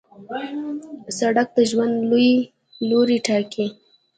سړک د ژوند لوری ټاکي.